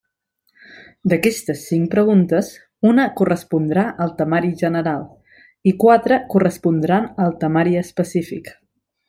D'aquestes cinc preguntes, una correspondrà al temari general i quatre correspondran al temari específic.